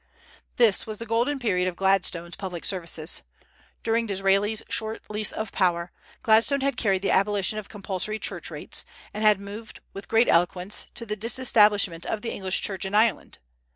This was the golden period of Gladstone's public services. During Disraeli's short lease of power, Gladstone had carried the abolition of compulsory church rates, and had moved, with great eloquence, the disestablishment of the English Church in Ireland.